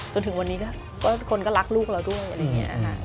จนถึงวันนี้คนก็รักลูกเราด้วย